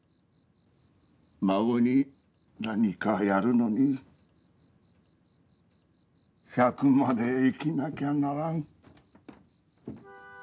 孫に何かやるのに百まで生きなきゃならん。